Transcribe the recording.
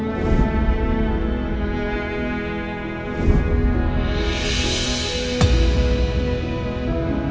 nangis terkawal ini udah ke tevepatan apa ibu